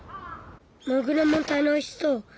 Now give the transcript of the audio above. モグラも楽しそう。